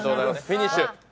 フィニッシュ。